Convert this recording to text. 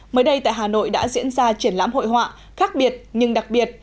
mới đây tại hà nội đã diễn ra triển lãm hội họa khác biệt nhưng đặc biệt